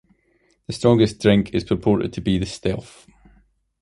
The strongest drink is purported to be the Stealth.